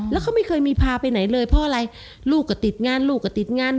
แล้วเขาไม่เคยมีพาไปไหนเลยเพราะอะไรลูกก็ติดงานลูกก็ติดงาน